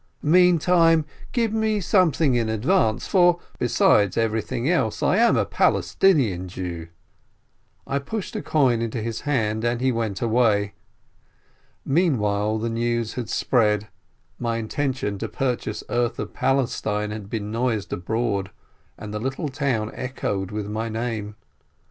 Mean time give me something in advance, for, besides every thing else, I am a Palestinian Jew." I pushed a coin into his hand, and he went away. Meanwhile the news had spread, my intention to pur chase earth of Palestine had been noised abroad, and the little town echoed with my name.